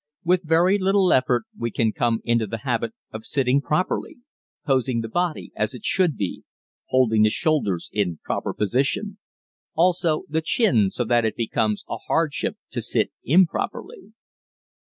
With very little effort we can come into the habit of sitting correctly posing the body as it should be holding the shoulders in proper position also the chin so that it becomes a hardship to sit improperly.